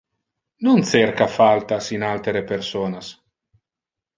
Non cerca faltas in altere personas.